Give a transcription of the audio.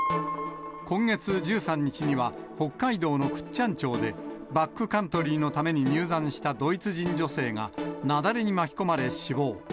今月１３日には、北海道の倶知安町で、バックカントリーのために入山したドイツ人女性が、雪崩に巻き込まれ死亡。